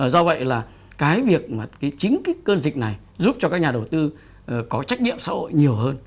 do vậy là cái việc mà chính cái cơn dịch này giúp cho các nhà đầu tư có trách nhiệm xã hội nhiều hơn